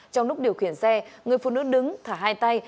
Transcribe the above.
trong lúc điều khiển xe người phụ nữ đứng thả hai tay